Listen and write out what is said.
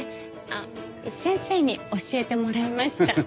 あっ先生に教えてもらいました。